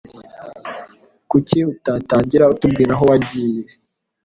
Kuki utatangira utubwira aho wagiye